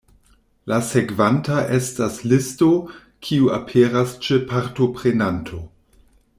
La sekvanta estas listo, kiu aperas ĉe partoprenanto.